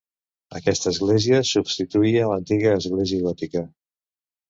Aquesta església substituïa l'antiga església gòtica.